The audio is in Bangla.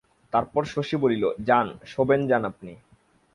তারপর শশী বলিল, যান, শোবেন যান আপনি।